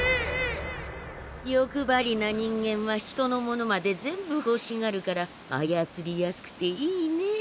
欲張りな人間は人の物まで全部ほしがるからあやつりやすくていいねえ。